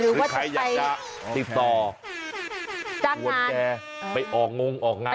หรือว่าจะไปติ๊กต่อวันแกไปออกงงออกงาน